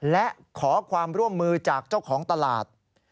และขอความร่วมมือจากเจ้าของตลาด